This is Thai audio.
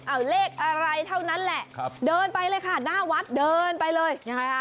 เอาเลขอะไรเท่านั้นแหละเดินไปเลยค่ะหน้าวัดเดินไปเลย